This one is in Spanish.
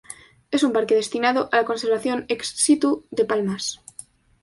Es una parque destinado a la conservación ex situ de palmas.